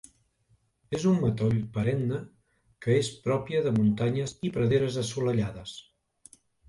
És un matoll perenne que és pròpia de muntanyes i praderes assolellades.